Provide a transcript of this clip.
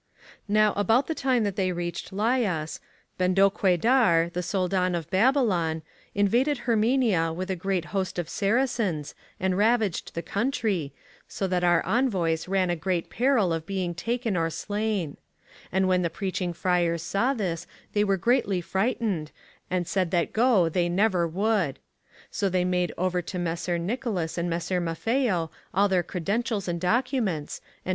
Now, about the time that they reached Layas, Ben docquedar, the Soldan of Babylon, invaded Hermenia with a great host of Saracens, and ravaged the country, Chap. XII. RUNDUKOAR'S INVASION OF ARMENIA 23 SO that our Envoys ran a great peril of being taken or slain. ^ And when the Preaching Friars saw this they were greatly frightened, and said that go they never would. So they made over to Messer Nicolas and Messer Maffeo all their credentials and documents, and.